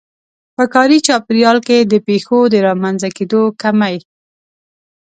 په کاري چاپېريال کې د پېښو د رامنځته کېدو کمی.